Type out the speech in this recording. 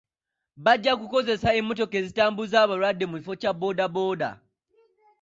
Bajja kukozesa emmotoka ezitambuza abalwadde mu kifo kya boodabooda.